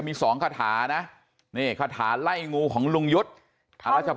มี๒คาถานะคาถาไล่งูของรุงยุทธ์